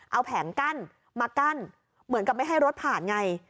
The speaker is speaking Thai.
เอาแผงกั้นมากั้นเหมือนกับไม่ให้รถผ่านไง